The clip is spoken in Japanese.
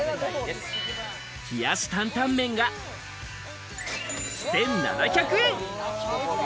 冷やし坦々麺が１７００円。